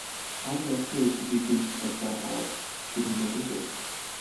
Хаврын анхны өдөр би гинжит жадаа аваад Шүрэн буланг зорив.